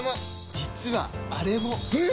実はあれも！え！？